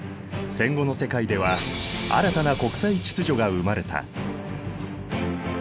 戦後の世界では新たな国際秩序が生まれた。